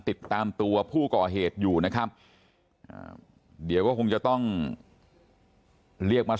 ติดตามตัวผู้ก่อเหตุอยู่นะครับเดี๋ยวก็คงจะต้องเรียกมา